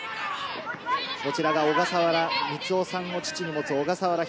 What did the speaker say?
こちらが小笠原満男さんを父に持つ小笠原央。